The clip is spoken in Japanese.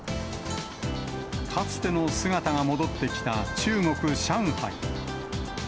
かつての姿が戻ってきた中国・上海。